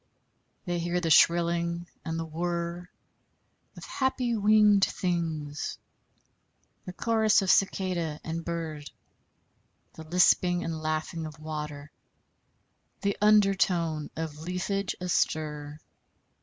They hear the shrilling and the whirr of happy winged things, the chorus of cicada and bird, the lisping and laughing of water, the under tone of leafage astir.